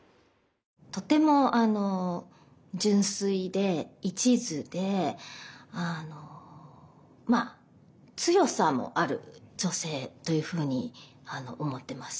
とても純粋で一途でまあ強さもある女性というふうに思ってます。